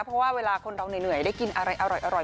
เพราะว่าเวลาคนเราเหนื่อยได้กินอะไรอร่อย